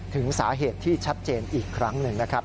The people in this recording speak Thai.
ถึงสาเหตุที่ชัดเจนอีกครั้งหนึ่งนะครับ